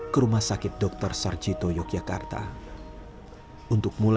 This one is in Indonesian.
penting dia sembuh